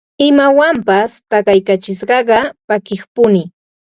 imawanpas takaykachisqaqa pakiqpuni